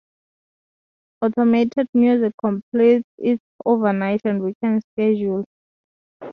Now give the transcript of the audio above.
Automated music completes its overnight and weekend schedule.